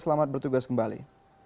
selamat bertugas kembali